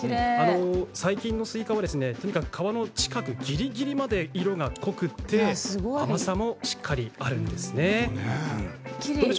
最近のスイカは皮の近くぎりぎりまで色が濃くて甘さもしっかりあるんです。